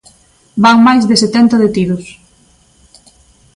Van máis de setenta detidos.